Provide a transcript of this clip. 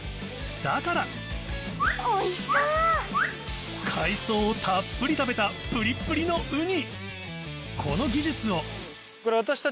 だから海藻をたっぷり食べたぷりっぷりのウニ